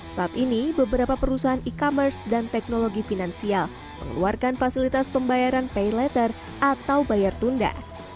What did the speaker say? saat ini beberapa perusahaan e commerce dan teknologi finansial mengeluarkan fasilitas pembayaran pay letter atau bayar tunda